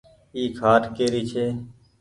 اي کآٽ ڪيري ڇي ۔